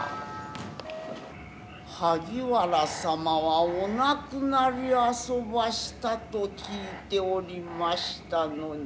萩原様はお亡くなりあそばしたと聞いておりましたのに。